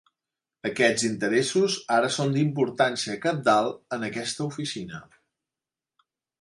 Aquests interessos ara són d'importància cabdal en aquesta oficina.